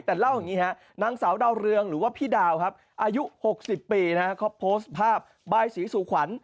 แต่เล่าอย่างนี้ฮะนางสาวดาวเรืองหรือว่าพี่ดาวครับอายุ๖๐ปีเขาโพสต์ภาพบายศรีสู่ขวัญ